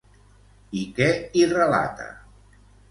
I què hi relata?